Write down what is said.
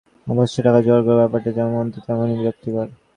অবশ্য টাকা যোগাড় করার ব্যাপারটা যেমন মন্থর, তেমনই বিরক্তিকর।